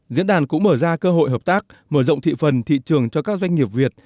diễn đàn cũng mở ra cơ hội hợp tác mở rộng thị phần thị trường cho các doanh nghiệp việt